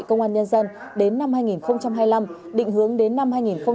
công an nhân dân đến năm hai nghìn hai mươi năm định hướng đến năm hai nghìn ba mươi